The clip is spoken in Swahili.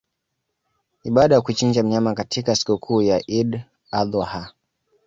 ibada ya kuchinja mnyama katika sikukuu ya Idi Adhu ha